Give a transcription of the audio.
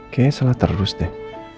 kayaknya salah terus deh